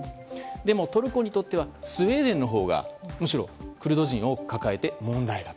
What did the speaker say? でも、トルコにとってはスウェーデンのほうがむしろクルド人を多く抱えていて問題だ。